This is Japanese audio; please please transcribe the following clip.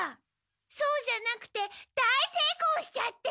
そうじゃなくて大せいこうしちゃって。